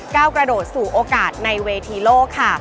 ก้าวกระโดดสู่โอกาสในเวทีโลกค่ะ